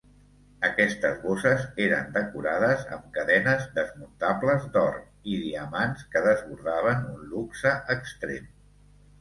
Aquestes bosses eren decorades amb cadenes desmuntables d’or i diamants que desbordaven un luxe extrem.